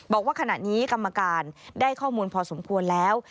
บอกว่าขณะนี้กรรมการได้ข้อมูลพอสมควรแล้ว